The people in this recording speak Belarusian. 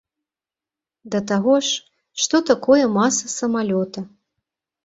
Да таго ж, што такое маса самалёта?